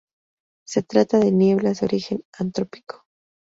Se trata de nieblas de origen antrópico.